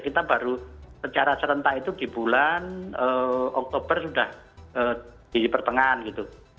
kita baru secara serentak itu di bulan oktober sudah di pertengahan gitu